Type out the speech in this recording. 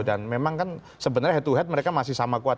dan memang kan sebenarnya head to head mereka masih sama kuat